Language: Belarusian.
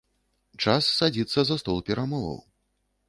Час садзіцца за стол перамоваў.